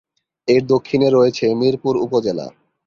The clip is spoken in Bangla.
এর দক্ষিণে রয়েছে মিরপুর উপজেলা।